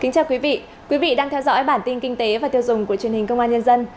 chào mừng quý vị đến với bản tin kinh tế và tiêu dùng của truyền hình công an nhân dân